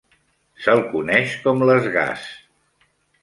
S'el coneix com Les Gaz!